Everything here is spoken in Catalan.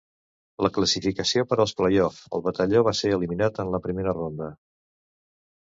La classificació per als playoffs, el batalló va ser eliminat en la primera ronda.